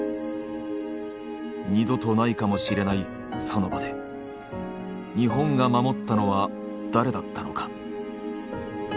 二度とないかもしれないその場で日本が守ったのは誰だったのか。